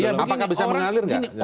apakah bisa mengalir nggak